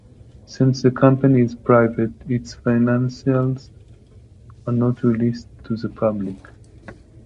Since the company is private, its financials are not released to the public.